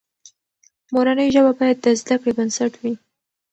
مورنۍ ژبه باید د زده کړې بنسټ وي.